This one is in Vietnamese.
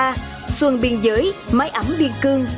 trường sa xuân biên giới máy ẩm biên cương